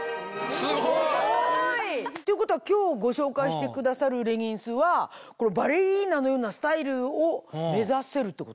すごい！っていうことは今日ご紹介してくださるレギンスはバレリーナのようなスタイルを目指せるってこと？